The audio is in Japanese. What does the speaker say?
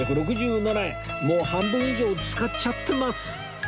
もう半分以上使っちゃってます